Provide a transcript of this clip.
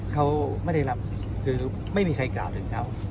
เขาไม่ได้รับคือไม่มีใครกล่าวถึงเขา